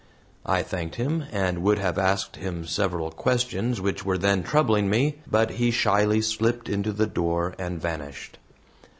I thanked him, and would have asked him several questions which were then troubling me, but he shyly slipped to the door and vanished.